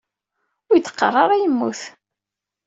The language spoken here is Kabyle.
Ur iyi-d-qqar ara yemmut.